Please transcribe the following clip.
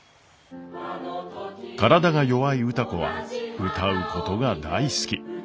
体が弱い歌子は歌うことが大好き。